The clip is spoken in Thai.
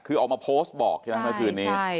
คือออกมาโพสต์บอกใช่ไหมเมื่อคืนนี้